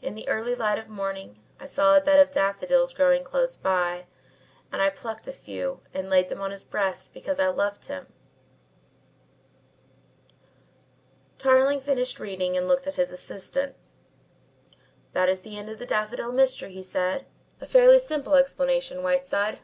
In the early light of morning I saw a bed of daffodils growing close by and I plucked a few and laid them on his breast because I loved him." Tarling finished reading and looked at his assistant. "That is the end of the Daffodil Mystery," he said. "A fairly simple explanation, Whiteside.